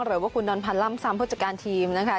หรือว่าคุณดอนพันธ์ล่ำซ้ำผู้จัดการทีมนะคะ